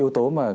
yếu tố mà